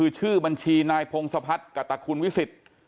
ชื่อบัญชีนายพงศพัฒน์กัตคุณวิสิทธิ์